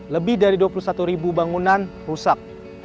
lebih dari dua puluh satu ribu bangunan rusak